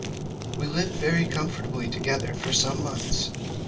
We lived very comfortably together for some months.